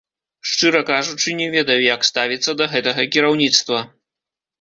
Шчыра кажучы, не ведаю, як ставіцца да гэтага кіраўніцтва.